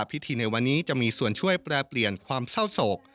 พิธีในวันนี้จะมีส่วนช่วยแปรเปลี่ยนความเศร้าโศก